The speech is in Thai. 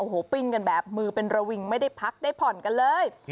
โอ้โหปิ้งกันแบบมือเป็นระวิงไม่ได้พักได้ผ่อนกันเลย